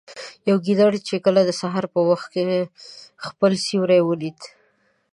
يوې ګيدړې چې کله د سهار په وخت كې خپل سيورى وليده